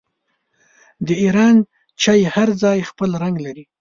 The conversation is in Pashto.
د ایران چای هر ځای خپل رنګ لري.